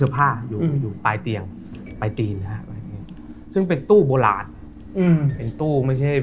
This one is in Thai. ประเทศลาว